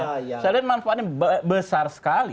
saya lihat manfaatnya besar sekali